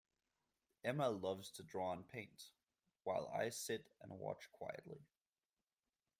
Emma loves to draw and paint, while I sit and watch quietly